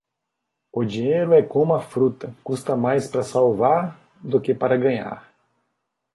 O dinheiro é como a fruta, custa mais para salvar do que para ganhar.